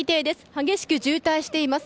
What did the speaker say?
激しく渋滞しています。